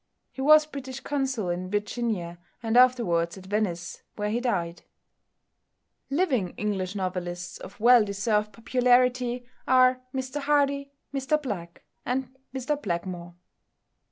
He was British Consul in Virginia, and afterwards at Venice, where he died. Living English novelists of well deserved popularity, are Mr Hardy, Mr Black, and Mr Blackmore.